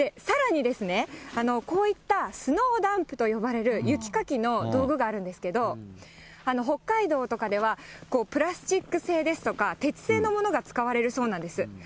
さらに、こういったスノーダンプと呼ばれる雪かきの道具があるんですけれども、北海道とかでは、プラスチック製ですとか、鉄製のものが使われるそうなんです。